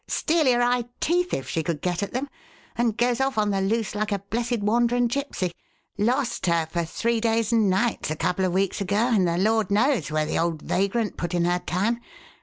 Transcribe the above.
"Steal your eye teeth if she could get at them, and goes off on the loose like a blessed wandering gypsy. Lost her for three days and nights a couple of weeks ago, and the Lord knows where the old vagrant put in her time.